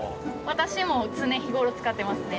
私も常日頃使っていますね。